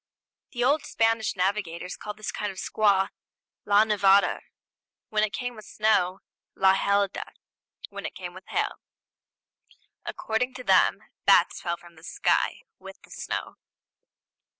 " The old Spanish navigators called this kind of squall la nevada, when it came with snow; la helada, when it came with hail. According to them, bats fell from the sky, with the snow.